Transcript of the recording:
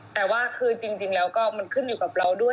แต่ว่าคือจริงแล้วก็มันขึ้นอยู่กับเราด้วย